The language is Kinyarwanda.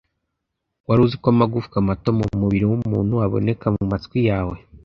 wari uziko amagufwa mato mumubiri wumuntu aboneka mumatwi yawe